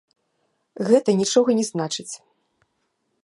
Гэта нічога не значыць.